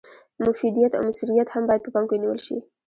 مفیدیت او مثمریت هم باید په پام کې ونیول شي.